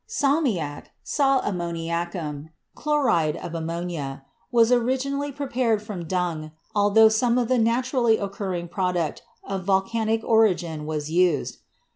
Salmiac, "sal ammoni acum," chloride of ammonia, was originally prepared from dung, altho some of the naturally occurring product of volcanic origin was used.